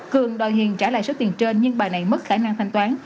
cường đòi hiền trả lại số tiền trên nhưng bà này mất khả năng thanh toán